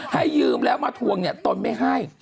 ให้ยืมแล้วมาทวงเนี่ยตนไม่ให้